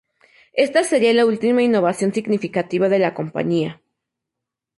Esta sería la última innovación significativa de la compañía.